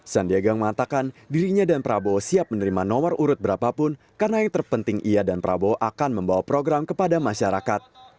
sandiaga mengatakan dirinya dan prabowo siap menerima nomor urut berapapun karena yang terpenting ia dan prabowo akan membawa program kepada masyarakat